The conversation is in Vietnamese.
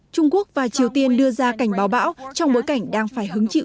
trung quốc và triều tiên đưa ra cảnh báo bão trong bối cảnh đang phải hứng chịu